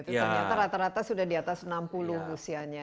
ternyata rata rata sudah di atas enam puluh usianya